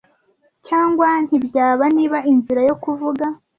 Cyangwa ntibyaba, niba inzira yo kuvuga